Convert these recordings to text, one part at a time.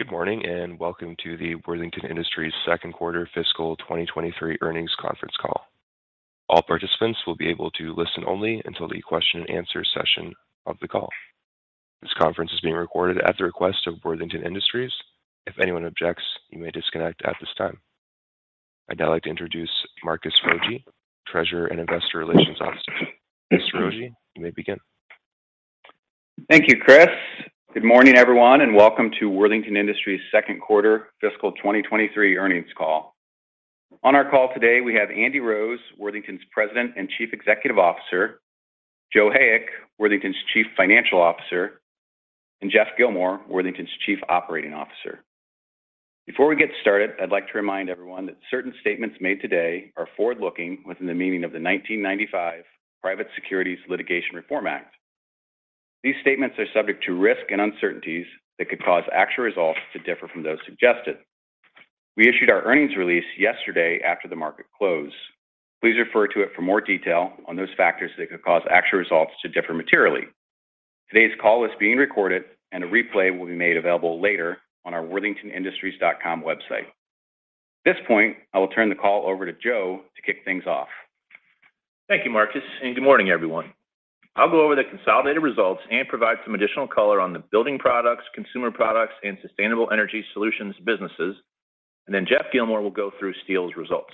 Good morning, welcome to the Worthington Industries second quarter fiscal 2023 earnings conference call. All participants will be able to listen only until the question and answer session of the call. This conference is being recorded at the request of Worthington Industries. If anyone objects, you may disconnect at this time. I'd now like to introduce Marcus Rogier, Treasurer and Investor Relations Officer. Mr. Rogier, you may begin. Thank you, Chris. Good morning, everyone, welcome to Worthington Industries Second Quarter Fiscal 2023 Earnings Call. On our call today, we have Andy Rose, Worthington's President and Chief Executive Officer, Joe Hayek, Worthington's Chief Financial Officer, and Geoff Gilmore, Worthington's Chief Operating Officer. Before we get started, I'd like to remind everyone that certain statements made today are forward-looking within the meaning of the 1995 Private Securities Litigation Reform Act. These statements are subject to risk and uncertainties that could cause actual results to differ from those suggested. We issued our earnings release yesterday after the market closed. Please refer to it for more detail on those factors that could cause actual results to differ materially. Today's call is being recorded, a replay will be made available later on our worthingtonindustries.com website. At this point, I will turn the call over to Joe to kick things off. Thank you, Marcus. Good morning, everyone. I'll go over the consolidated results and provide some additional color on the building products, consumer products, and Sustainable Energy Solutions businesses. Geoff Gilmore will go through Steel's results.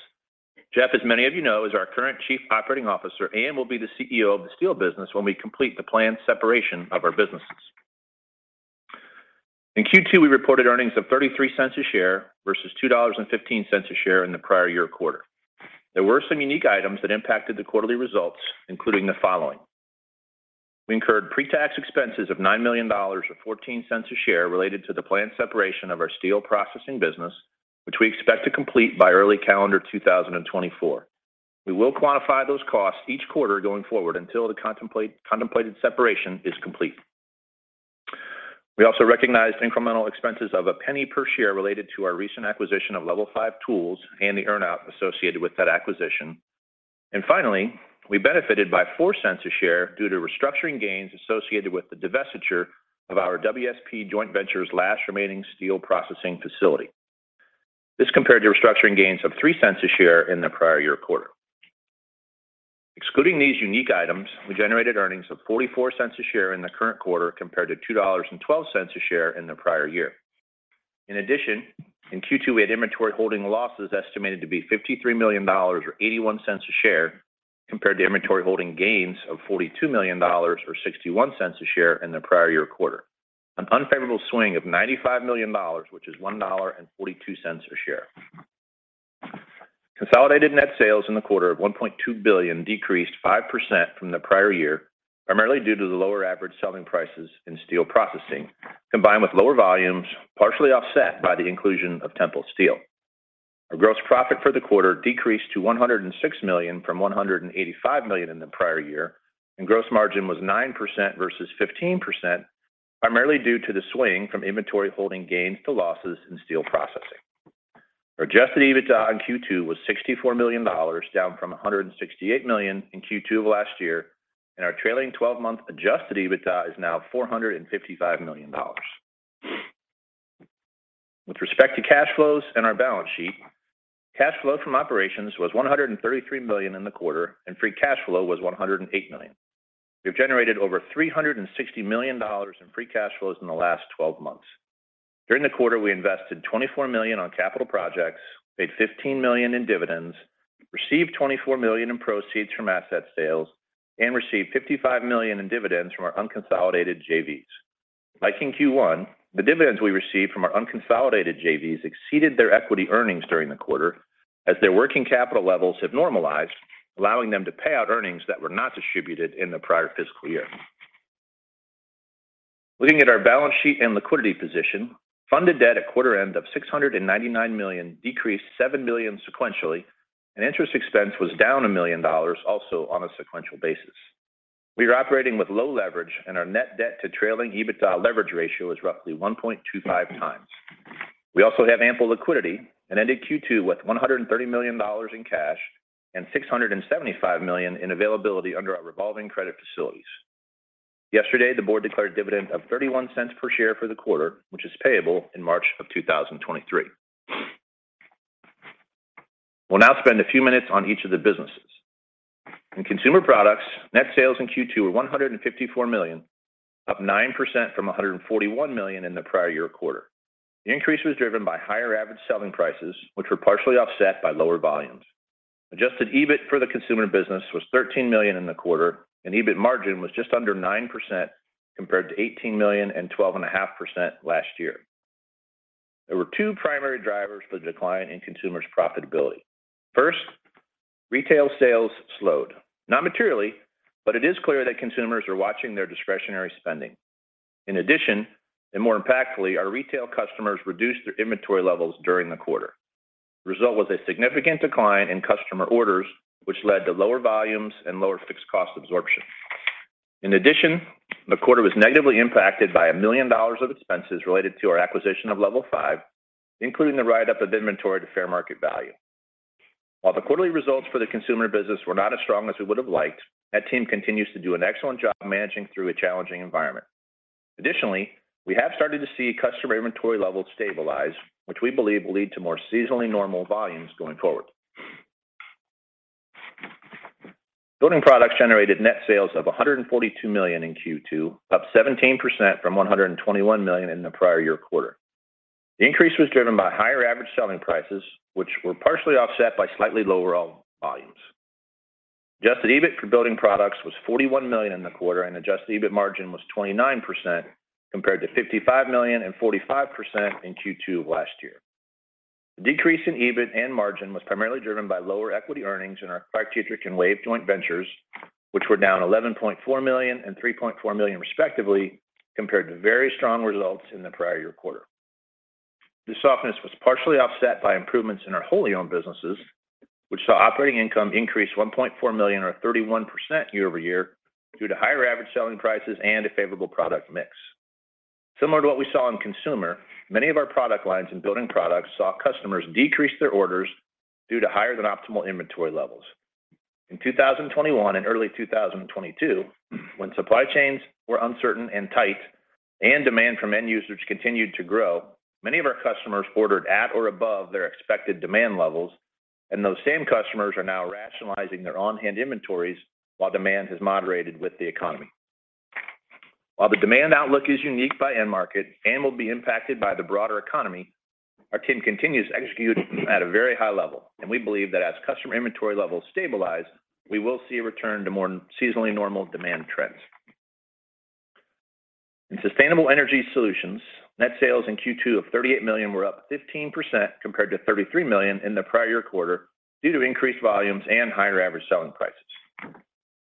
Jeff, as many of you know, is our current Chief Operating Officer and will be the CEO of the steel business when we complete the planned separation of our businesses. In Q2, we reported earnings of $0.33 a share versus $2.15 a share in the prior year quarter. There were some unique items that impacted the quarterly results, including the following. We incurred pre-tax expenses of $9 million, or $0.14 a share, related to the planned separation of our steel processing business, which we expect to complete by early calendar 2024. We will quantify those costs each quarter going forward until the contemplated separation is complete. We also recognized incremental expenses of $0.01 per share related to our recent acquisition of Level5 Tools and the earn-out associated with that acquisition. Finally, we benefited by $0.04 a share due to restructuring gains associated with the divestiture of our WSP joint venture's last remaining steel processing facility. This compared to restructuring gains of $0.03 a share in the prior year quarter. Excluding these unique items, we generated earnings of $0.44 a share in the current quarter compared to $2.12 a share in the prior year. In Q2 we had inventory holding losses estimated to be $53 million, or $0.81 a share, compared to inventory holding gains of $42 million or $0.61 a share in the prior year quarter. An unfavorable swing of $95 million, which is $1.42 a share. Consolidated net sales in the quarter of $1.2 billion decreased 5% from the prior year, primarily due to the lower average selling prices in Steel Processing, combined with lower volumes, partially offset by the inclusion of Tempel Steel. Our gross profit for the quarter decreased to $106 million from $185 million in the prior year, and gross margin was 9% versus 15%, primarily due to the swing from inventory holding gains to losses in Steel Processing. Our Adjusted EBITDA in Q2 was $64 million, down from $168 million in Q2 of last year. Our trailing 12-month Adjusted EBITDA is now $455 million. With respect to cash flows and our balance sheet, cash flow from operations was $133 million in the quarter, and free cash flow was $108 million. We've generated over $360 million in free cash flows in the last twelve months. During the quarter, we invested $24 million on capital projects, paid $15 million in dividends, received $24 million in proceeds from asset sales, and received $55 million in dividends from our unconsolidated JVs. Like in Q1, the dividends we received from our unconsolidated JVs exceeded their equity earnings during the quarter as their working capital levels have normalized, allowing them to pay out earnings that were not distributed in the prior fiscal year. Looking at our balance sheet and liquidity position, funded debt at quarter end of $699 million decreased $7 million sequentially. Interest expense was down $1 million also on a sequential basis. We are operating with low leverage. Our net debt to trailing EBITDA leverage ratio is roughly 1.25 times. We also have ample liquidity and ended Q2 with $130 million in cash and $675 million in availability under our revolving credit facilities. Yesterday, the board declared a dividend of $0.31 per share for the quarter, which is payable in March of 2023. We'll now spend a few minutes on each of the businesses. In consumer products, net sales in Q2 were $154 million, up 9% from $141 million in the prior year quarter. The increase was driven by higher average selling prices, which were partially offset by lower volumes. Adjusted EBIT for the consumer business was $13 million in the quarter, and EBIT margin was just under 9% compared to $18 million and 12.5% last year. There were two primary drivers for the decline in consumers' profitability. First, retail sales slowed, not materially, but it is clear that consumers are watching their discretionary spending. In addition, more impactfully, our retail customers reduced their inventory levels during the quarter. The result was a significant decline in customer orders, which led to lower volumes and lower fixed cost absorption. In addition, the quarter was negatively impacted by $1 million of expenses related to our acquisition of Level5, including the write-up of inventory to fair market value. While the quarterly results for the consumer business were not as strong as we would have liked, that team continues to do an excellent job managing through a challenging environment. Additionally, we have started to see customer inventory levels stabilize, which we believe will lead to more seasonally normal volumes going forward. Building Products generated net sales of $142 million in Q2, up 17% from $121 million in the prior year quarter. The increase was driven by higher average selling prices, which were partially offset by slightly lower overall volumes. Adjusted EBIT for Building Products was $41 million in the quarter, and Adjusted EBIT margin was 29% compared to $55 million and 45% in Q2 of last year. The decrease in EBIT and margin was primarily driven by lower equity earnings in our ClarkDietrich and WAVE joint ventures, which were down $11.4 million and $3.4 million respectively, compared to very strong results in the prior year quarter. This softness was partially offset by improvements in our wholly owned businesses, which saw operating income increase $1.4 million or 31% year-over-year due to higher average selling prices and a favorable product mix. Similar to what we saw in Consumer, many of our product lines in Building Products saw customers decrease their orders due to higher than optimal inventory levels. In 2021 and early 2022, when supply chains were uncertain and tight, and demand from end users continued to grow, many of our customers ordered at or above their expected demand levels, and those same customers are now rationalizing their on-hand inventories while demand has moderated with the economy. While the demand outlook is unique by end market and will be impacted by the broader economy, our team continues to execute at a very high level, and we believe that as customer inventory levels stabilize, we will see a return to more seasonally normal demand trends. In Sustainable Energy Solutions, net sales in Q2 of $38 million were up 15% compared to $33 million in the prior year quarter due to increased volumes and higher average selling prices.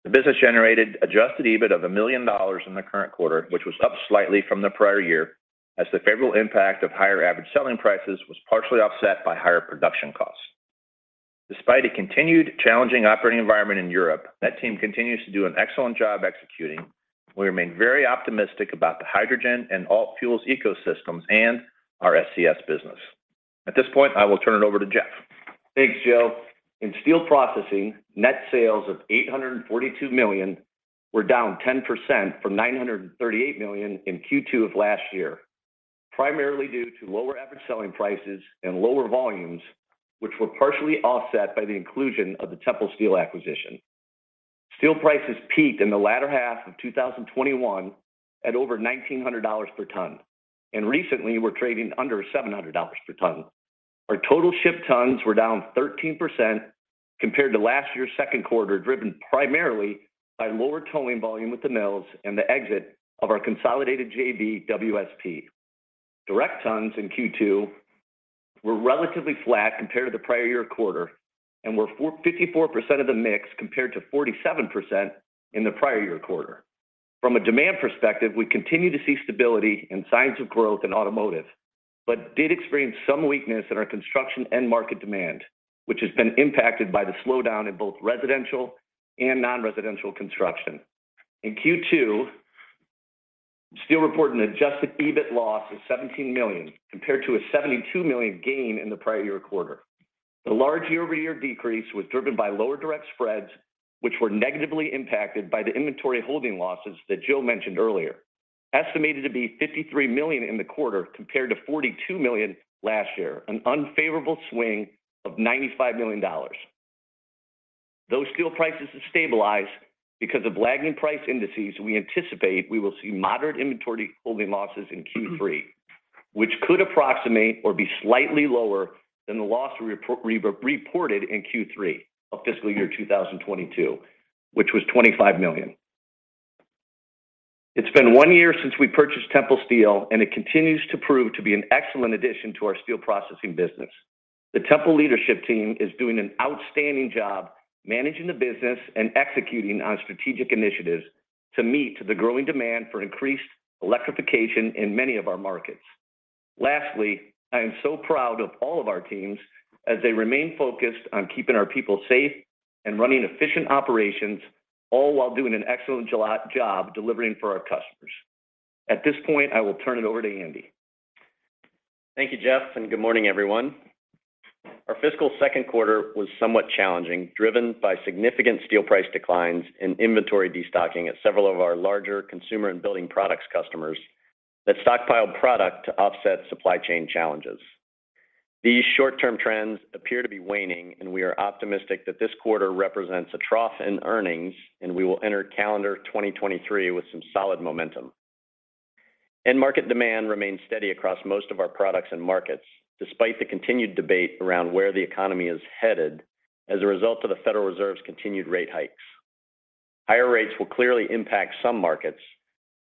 The business generated adjusted EBIT of $1 million in the current quarter, which was up slightly from the prior year as the favorable impact of higher average selling prices was partially offset by higher production costs. Despite a continued challenging operating environment in Europe, that team continues to do an excellent job executing. We remain very optimistic about the hydrogen and alt fuels ecosystems and our SES business. At this point, I will turn it over to Geoff. Thanks, Joe. In Steel Processing, net sales of $842 million were down 10% from $938 million in Q2 of last year, primarily due to lower average selling prices and lower volumes, which were partially offset by the inclusion of the Tempel Steel acquisition. Steel prices peaked in the latter half of 2021 at over $1,900 per ton, recently were trading under $700 per ton. Our total shipped tons were down 13% compared to last year's second quarter, driven primarily by lower tolling volume with the mills and the exit of our consolidated JV, WSP. Direct tons in Q2 were relatively flat compared to the prior year quarter, were 54% of the mix compared to 47% in the prior year quarter. From a demand perspective, we continue to see stability and signs of growth in automotive, did experience some weakness in our construction end market demand, which has been impacted by the slowdown in both residential and non-residential construction. In Q2, Steel reported an Adjusted EBIT loss of $17 million, compared to a $72 million gain in the prior year quarter. The large year-over-year decrease was driven by lower direct spreads, which were negatively impacted by the inventory holding losses that Joe mentioned earlier, estimated to be $53 million in the quarter compared to $42 million last year, an unfavorable swing of $95 million. Those steel prices have stabilized because of lagging price indices we anticipate we will see moderate inventory holding losses in Q3, which could approximate or be slightly lower than the loss reported in Q3 of fiscal year 2022, which was $25 million. It's been one year since we purchased Tempel Steel, and it continues to prove to be an excellent addition to our Steel Processing business. The Tempel leadership team is doing an outstanding job managing the business and executing on strategic initiatives to meet the growing demand for increased electrification in many of our markets. Lastly, I am so proud of all of our teams as they remain focused on keeping our people safe and running efficient operations, all while doing an excellent job delivering for our customers. At this point, I will turn it over to Andy. Thank you, Geoff, and good morning, everyone. Our fiscal second quarter was somewhat challenging, driven by significant steel price declines and inventory destocking at several of our larger consumer and building products customers that stockpiled product to offset supply chain challenges. These short-term trends appear to be waning, and we are optimistic that this quarter represents a trough in earnings, and we will enter calendar 2023 with some solid momentum. End market demand remains steady across most of our products and markets, despite the continued debate around where the economy is headed as a result of the Federal Reserve's continued rate hikes. Higher rates will clearly impact some markets,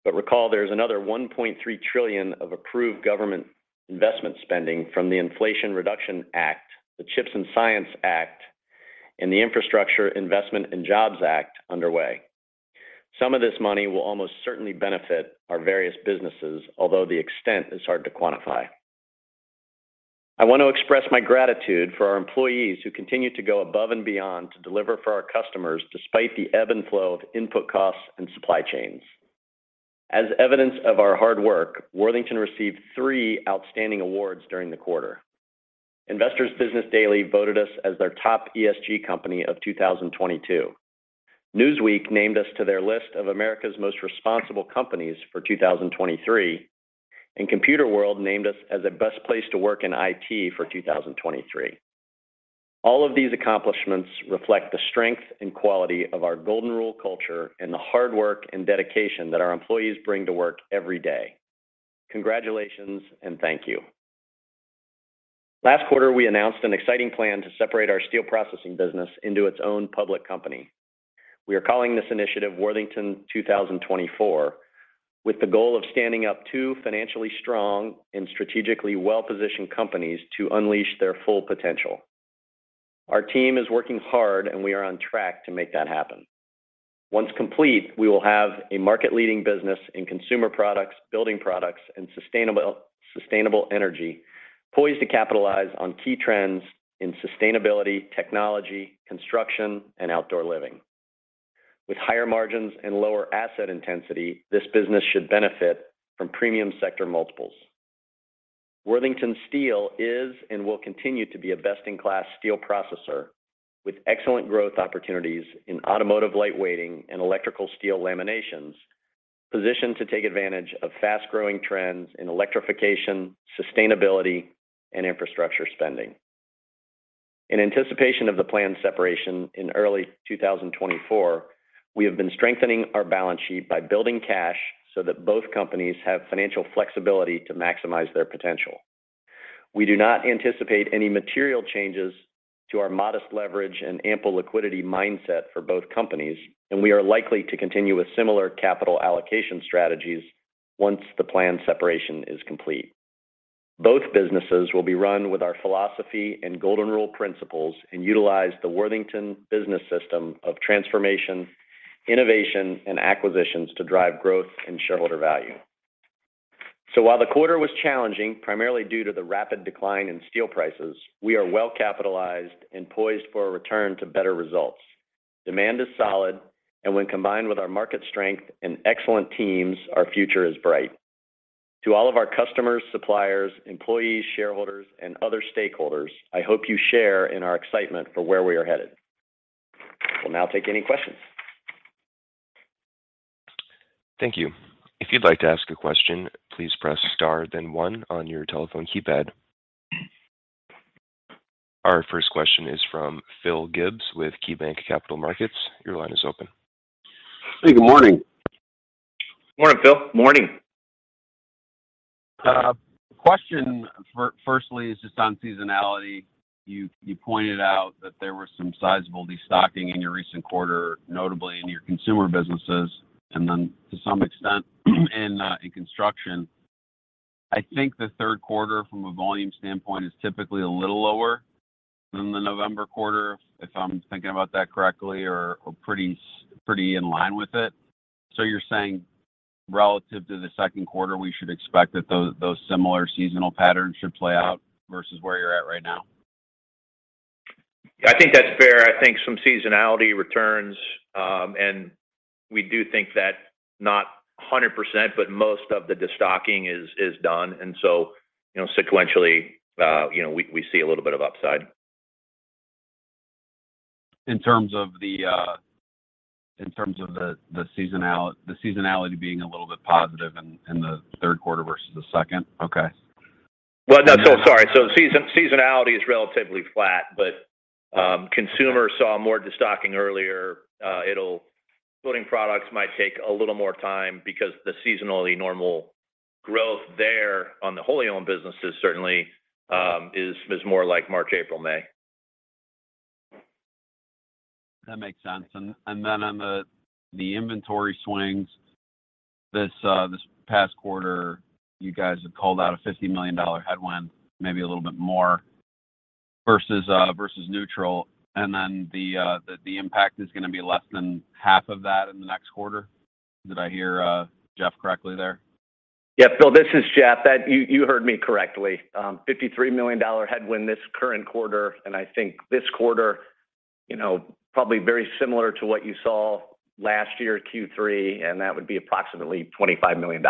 but recall there is another $1.3 trillion of approved government investment spending from the Inflation Reduction Act, the CHIPS and Science Act, and the Infrastructure Investment and Jobs Act underway. Some of this money will almost certainly benefit our various businesses, although the extent is hard to quantify. I want to express my gratitude for our employees who continue to go above and beyond to deliver for our customers despite the ebb and flow of input costs and supply chains. As evidence of our hard work, Worthington received three outstanding awards during the quarter. Investors' Business Daily voted us as their top ESG company of 2022. Newsweek named us to their list of America's Most Responsible Companies for 2023. Computerworld named us as the Best Places to Work in IT for 2023. All of these accomplishments reflect the strength and quality of our Golden Rule culture and the hard work and dedication that our employees bring to work every day. Congratulations, and thank you. Last quarter, we announced an exciting plan to separate our steel processing business into its own public company. We are calling this initiative Worthington 2024, with the goal of standing up 2 financially strong and strategically well-positioned companies to unleash their full potential. Our team is working hard. We are on track to make that happen. Once complete, we will have a market-leading business in consumer products, building products, and sustainable energy poised to capitalize on key trends in sustainability, technology, construction, and outdoor living. With higher margins and lower asset intensity, this business should benefit from premium sector multiples. Worthington Steel is and will continue to be a best-in-class steel processor with excellent growth opportunities in automotive lightweighting and electrical steel laminations, positioned to take advantage of fast-growing trends in electrification, sustainability, and infrastructure spending. In anticipation of the planned separation in early 2024, we have been strengthening our balance sheet by building cash so that both companies have financial flexibility to maximize their potential. We do not anticipate any material changes to our modest leverage and ample liquidity mindset for both companies, and we are likely to continue with similar capital allocation strategies once the planned separation is complete. Both businesses will be run with our philosophy and Golden Rule principles and utilize the Worthington Business System of transformation, innovation, and acquisitions to drive growth and shareholder value. While the quarter was challenging, primarily due to the rapid decline in steel prices, we are well-capitalized and poised for a return to better results. Demand is solid, when combined with our market strength and excellent teams, our future is bright. To all of our customers, suppliers, employees, shareholders, and other stakeholders, I hope you share in our excitement for where we are headed. We'll now take any questions. Thank you. If you'd like to ask a question, please press star then one on your telephone keypad. Our first question is from Phil Gibbs with KeyBanc Capital Markets. Your line is open. Hey, good morning. Morning, Phil. Morning. Question firstly is just on seasonality. You, you pointed out that there was some sizable destocking in your recent quarter, notably in your consumer businesses, and then to some extent in construction. I think the 3rd quarter from a volume standpoint is typically a little lower than the November quarter, if I'm thinking about that correctly or, pretty in line with it. You're saying relative to the 2nd quarter, we should expect that those similar seasonal patterns should play out versus where you're at right now? I think that's fair. I think some seasonality returns. We do think that not 100%, but most of the destocking is done. You know, sequentially, you know, we see a little bit of upside. In terms of the seasonality being a little bit positive in the third quarter versus the second? Okay. No. Sorry. Seasonality is relatively flat, but consumer saw more destocking earlier. Building products might take a little more time because the seasonally normal growth there on the wholly owned businesses certainly is more like March, April, May. That makes sense. Then on the inventory swings this past quarter, you guys have called out a $50 million headwind, maybe a little bit more versus neutral. Then the impact is gonna be less than half of that in the next quarter. Did I hear Geoff correctly there? Yeah, Phil, this is Geoff. You heard me correctly. $53 million headwind this current quarter. I think this quarter, you know, probably very similar to what you saw last year Q3. That would be approximately $25 million.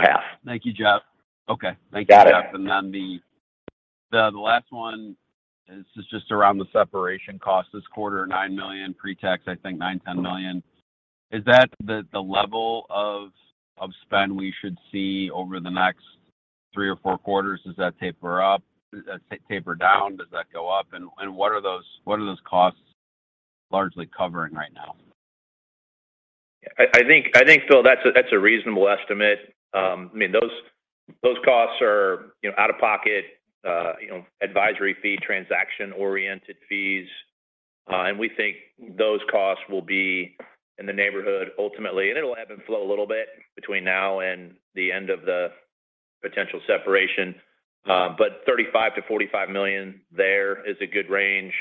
Half. Thank you, Geoff. Okay. Got it. Thank you, Geoff. The last one is just around the separation cost this quarter, $9 million pre-tax, I think $9 million-$10 million. Is that the level of spend we should see over the next three or four quarters? Does that taper up, taper down? Does that go up? What are those costs largely covering right now? I think, Phil, that's a reasonable estimate. I mean, those costs are, you know, out-of-pocket, you know, advisory fee, transaction-oriented fees. We think those costs will be in the neighborhood ultimately, and it'll ebb and flow a little bit between now and the end of the potential separation. $35 million-$45 million there is a good range.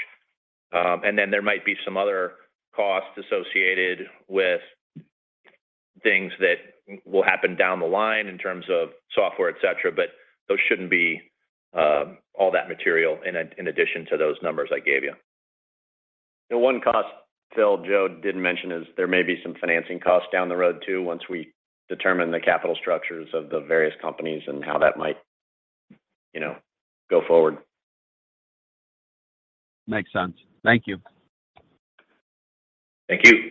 Then there might be some other costs associated with things that will happen down the line in terms of software, etc. Those shouldn't be all that material in addition to those numbers I gave you. The one cost sale Joe didn't mention is there may be some financing costs down the road too once we determine the capital structures of the various companies and how that might, you know, go forward. Makes sense. Thank you. Thank you.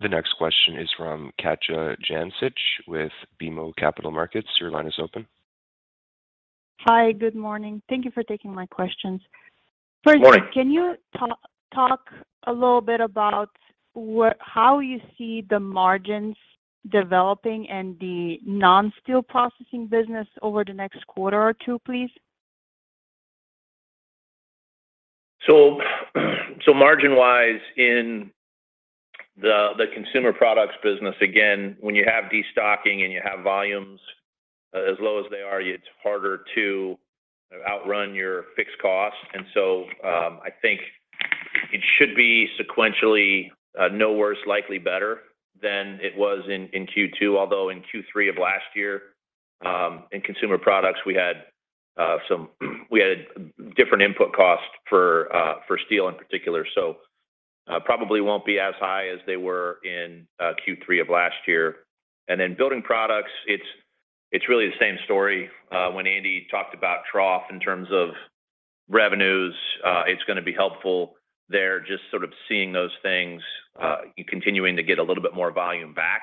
The next question is from Katja Jancic with BMO Capital Markets. Your line is open. Hi. Good morning. Thank you for taking my questions. Morning. Can you talk a little bit about how you see the margins developing in the non-Steel Processing business over the next quarter or two, please? Margin-wise in the consumer products business, again, when you have destocking and you have volumes as low as they are, it's harder to outrun your fixed costs. I think it should be sequentially no worse, likely better than it was in Q2. Although in Q3 of last year, in consumer products we had different input costs for steel in particular. Probably won't be as high as they were in Q3 of last year. Building products, it's really the same story. When Andy talked about trough in terms of revenues, it's gonna be helpful there just sort of seeing those things continuing to get a little bit more volume back.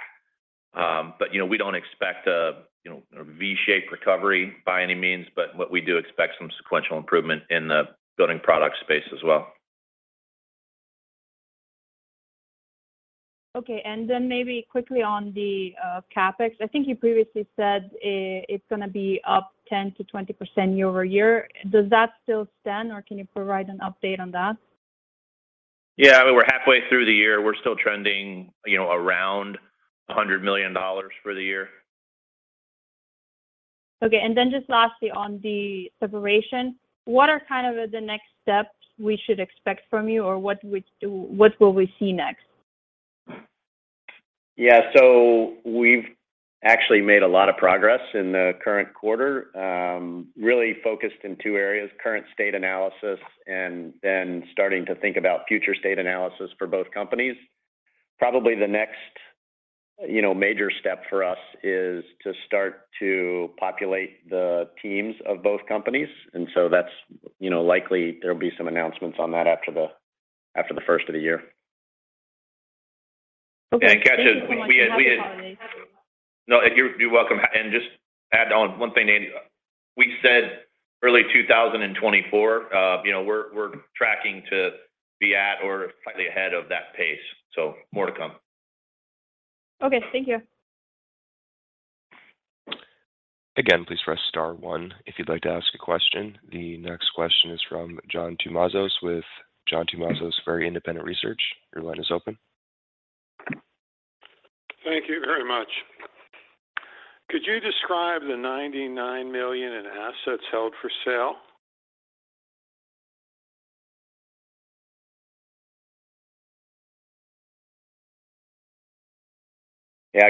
You know, we don't expect a V-shaped recovery by any means. What we do expect some sequential improvement in the building product space as well. Okay. Then maybe quickly on the CapEx. I think you previously said it's gonna be up 10%-20% year-over-year. Does that still stand or can you provide an update on that? Yeah. We're halfway through the year. We're still trending, you know, around $100 million for the year. Okay. just lastly on the separation, what are kind of the next steps we should expect from you? what will we see next? Yeah. We've actually made a lot of progress in the current quarter, really focused in two areas: current state analysis and then starting to think about future state analysis for both companies. Probably the next, you know, major step for us is to start to populate the teams of both companies. That's, you know, likely there'll be some announcements on that after the, after the first of the year. Okay. Thank you so much. Katja, we. Happy holidays. No. You're welcome. Just to add on one thing, Andy. We said early 2024, you know, we're tracking to be at or slightly ahead of that pace, more to come. Okay. Thank you. Again, please press star one if you'd like to ask a question. The next question is from John Tumazos with John Tumazos Very Independent Research. Your line is open. Thank you very much. Could you describe the $99 million in assets held for sale?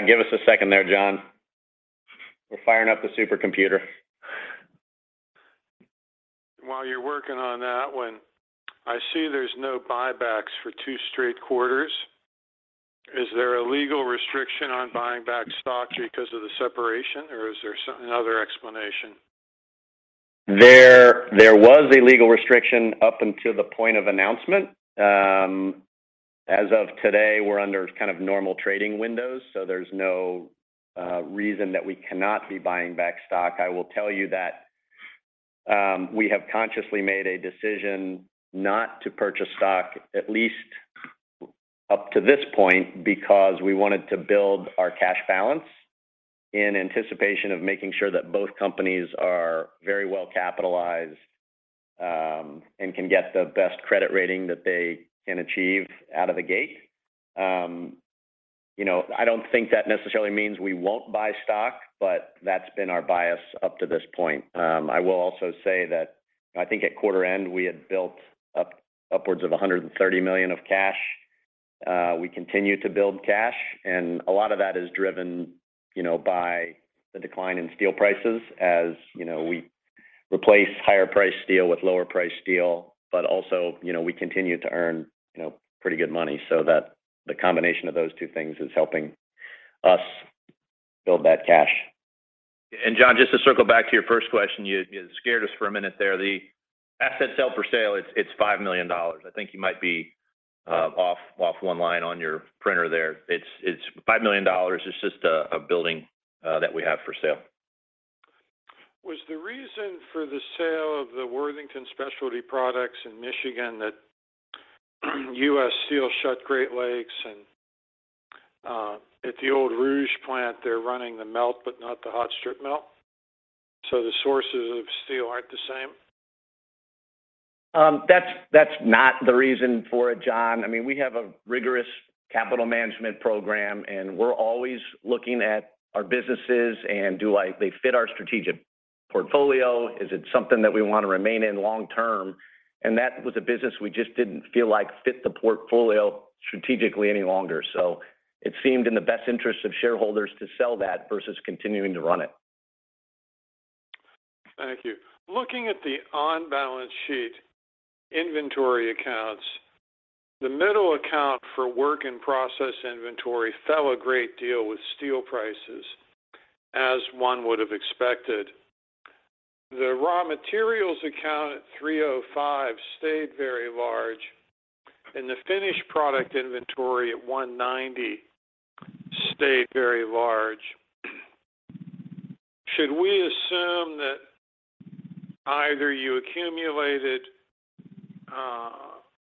Give us a second there, John. We're firing up the supercomputer. While you're working on that one, I see there's no buybacks for two straight quarters. Is there a legal restriction on buying back stock because of the separation or is there another explanation? There was a legal restriction up until the point of announcement. As of today, we're under kind of normal trading windows, so there's no reason that we cannot be buying back stock. I will tell you that we have consciously made a decision not to purchase stock at least up to this point because we wanted to build our cash balance in anticipation of making sure that both companies are very well capitalized, and can get the best credit rating that they can achieve out of the gate. You know, I don't think that necessarily means we won't buy stock, but that's been our bias up to this point. I will also say that I think at quarter end we had built up upwards of $130 million of cash. We continue to build cash, and a lot of that is driven, you know, by the decline in steel prices. As, you know, we replace higher priced steel with lower priced steel. Also, you know, we continue to earn, you know, pretty good money so that the combination of those two things is helping us build that cash. John, just to circle back to your first question. You scared us for a minute there. The assets held for sale, it's $5 million. I think you might be off one line on your printer there. It's $5 million. It's just a building that we have for sale. Was the reason for the sale of the Worthington Specialty Processing in Michigan that U.S. Steel shut Great Lakes and, at the Old Rouge plant they're running the melt but not the hot strip mill, the sources of steel aren't the same? That's not the reason for it, John. I mean, we have a rigorous capital management program, and we're always looking at our businesses and do, like, they fit our strategic portfolio? Is it something that we want to remain in long term? That was a business we just didn't feel like fit the portfolio strategically any longer. It seemed in the best interest of shareholders to sell that versus continuing to run it. Thank you. Looking at the on-balance sheet inventory accounts, the middle account for work in process inventory fell a great deal with steel prices, as one would have expected. The raw materials account at $305 stayed very large, and the finished product inventory at $190 stayed very large. Should we assume that either you accumulated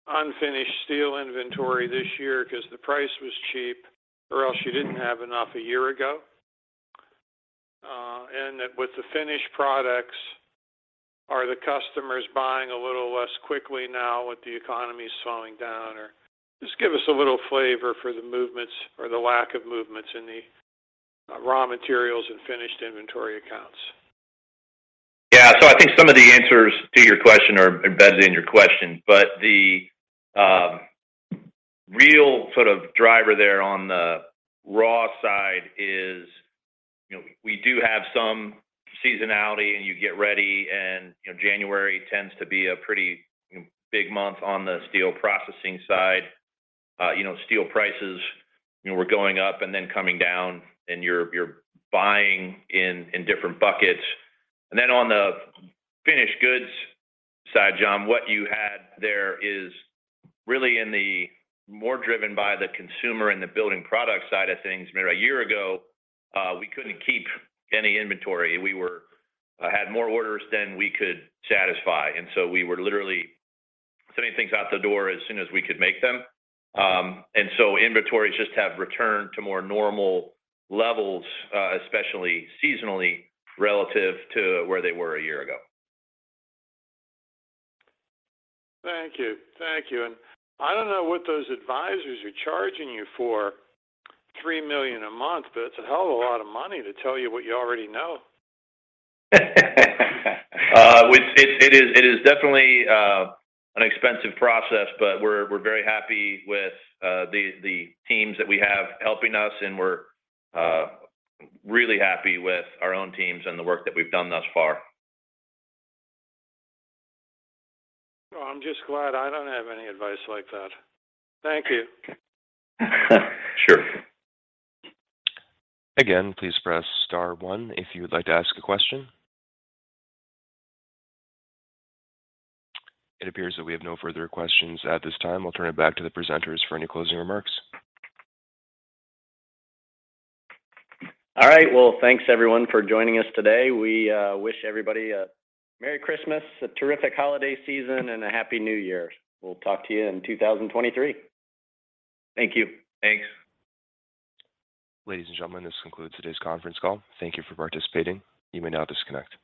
unfinished steel inventory this year 'cause the price was cheap, or else you didn't have enough a year ago? With the finished products, are the customers buying a little less quickly now with the economy slowing down? Just give us a little flavor for the movements or the lack of movements in the raw materials and finished inventory accounts. Yeah. I think some of the answers to your question are embedded in your question. The real sort of driver there on the raw side is, you know, we do have some seasonality, and you get ready, and, you know, January tends to be a pretty, you know, big month on the Steel Processing side. You know, steel prices, you know, were going up and then coming down, and you're buying in different buckets. On the finished goods side, John, what you had there is really in the more driven by the consumer and the building product side of things. Maybe a year ago, we couldn't keep any inventory. We had more orders than we could satisfy, and so we were literally sending things out the door as soon as we could make them. Inventories just have returned to more normal levels, especially seasonally relative to where they were a year ago. Thank you. Thank you. I don't know what those advisors are charging you for $3 million a month, but it's a hell of a lot of money to tell you what you already know. It is definitely an expensive process, but we're very happy with the teams that we have helping us, and we're really happy with our own teams and the work that we've done thus far. Well, I'm just glad I don't have any advice like that. Thank you. Sure. Please press star one if you would like to ask a question. It appears that we have no further questions at this time. I'll turn it back to the presenters for any closing remarks. All right. Well, thanks everyone for joining us today. We wish everybody a Merry Christmas, a terrific holiday season, and a Happy New Year. We'll talk to you in 2023. Thank you. Thanks. Ladies and gentlemen, this concludes today's conference call. Thank you for participating. You may now disconnect.